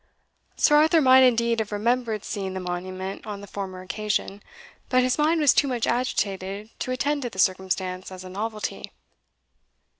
Sir Arthur might, indeed, have remembered seeing the monument on the former occasion, but his mind was too much agitated to attend to the circumstance as a novelty.